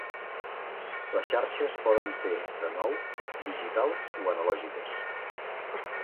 Les xarxes poden ser, de nou, digitals o analògiques.